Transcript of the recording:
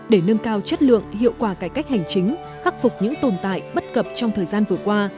để nâng cao chất lượng hiệu quả cải cách hành chính khắc phục những tồn tại bất cập trong thời gian vừa qua